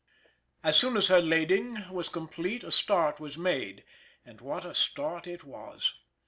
As soon as her lading was complete a start was made. And what a start it was!